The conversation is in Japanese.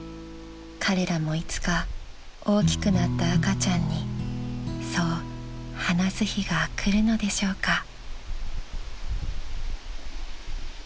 ［彼らもいつか大きくなった赤ちゃんにそう話す日が来るのでしょうか］